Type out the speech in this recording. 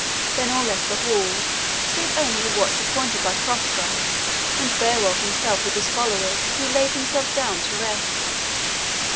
Then all left the hall, save only a watch appointed by Hrothgar, and Beowulf himself with his followers, who laid themselves down to rest.